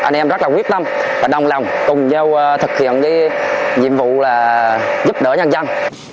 anh em rất là quyết tâm và đồng lòng cùng nhau thực hiện nhiệm vụ giúp đỡ nhân dân